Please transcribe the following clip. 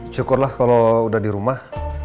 syukurlah kalau udah di rumah